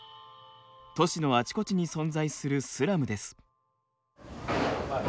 都市のあちこちに存在するスラムです。